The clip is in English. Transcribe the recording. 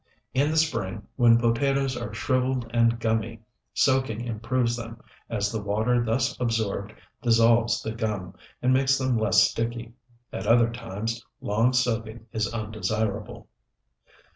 In the spring, when potatoes are shriveled and gummy, soaking improves them, as the water thus absorbed dissolves the gum, and makes them less sticky. At other times, long soaking is undesirable.